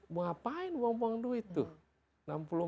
mau ngapain uang uang duit tuh